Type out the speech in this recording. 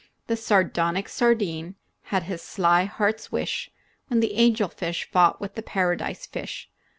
The sardonic sardine had his sly heart's wish When the angelfish fought with the paradise fish.